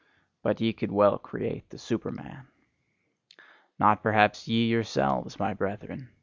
But ye could well create the Superman. Not perhaps ye yourselves, my brethren!